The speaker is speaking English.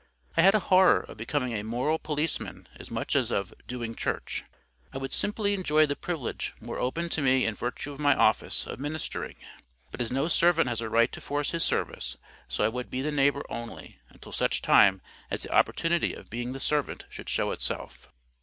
I had a horror of becoming a moral policeman as much as of "doing church." I would simply enjoy the privilege, more open to me in virtue of my office, of ministering. But as no servant has a right to force his service, so I would be the NEIGHBOUR only, until such time as the opportunity of being the servant should show itself.